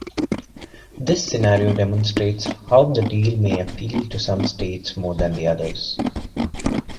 This scenario demonstrates how the deal may appeal to some states more than others.